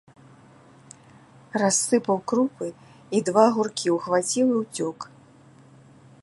Рассыпаў крупы і два гуркі ўхваціў і ўцёк.